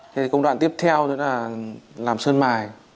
công đoạn tiếp theo là làm sơn mài